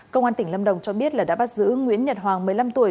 công an tỉnh lâm đồng cho biết là đã bắt giữ nguyễn nhật hoàng một mươi năm tuổi